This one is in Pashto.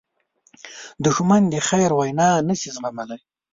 دښمن د خیر وینا نه شي زغملی